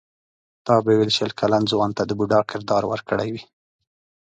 تا به ویل شل کلن ځوان ته د بوډا کردار ورکړی وي.